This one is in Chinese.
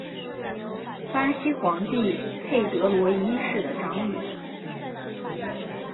巴西皇帝佩德罗一世的长女。